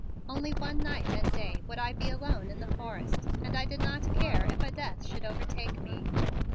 Only one night and day would I be alone in the forest and I did not care if a death should overtake me.